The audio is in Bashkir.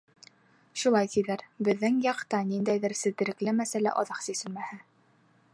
Шулай тиҙәр беҙҙең яҡта ниндәйҙер сетерекле мәсьәлә оҙаҡ сиселмәһә...